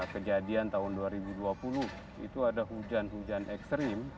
kejadian tahun dua ribu dua puluh itu ada hujan hujan ekstrim